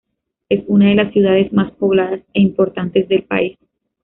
Es una de las ciudades más pobladas e importantes del país.